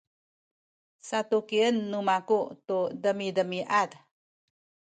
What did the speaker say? satukien nu maku tu demidemiad